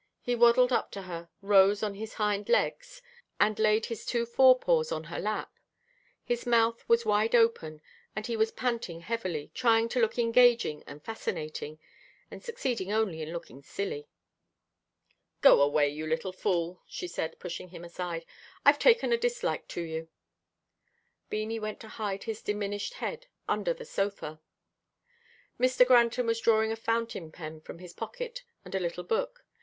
He waddled up to her, rose on his hind legs, and laid his two forepaws on her lap. His mouth was wide open, and he was panting heavily, trying to look engaging and fascinating, and succeeding only in looking silly. "Go away, you little fool," she said pushing him aside. "I've taken a dislike to you." Beanie went to hide his diminished head under the sofa. Mr. Granton was drawing a fountain pen from his pocket, and a little book.